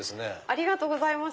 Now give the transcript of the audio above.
ありがとうございます。